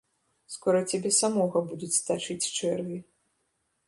Скора цябе самога будуць тачыць чэрві.